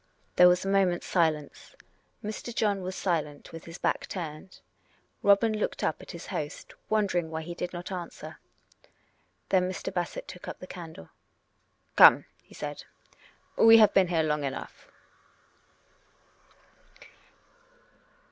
There was a moment's silence. Mr. John was silent, with his back turned. Robin looked up at his host, wondering why he did not answer. Then Mr. Bassett took up the candle. "Come," he said; "we have been here long enough."